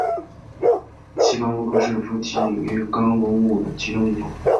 奇肛鲈科是辐鳍鱼纲鲑鲈目的其中一科。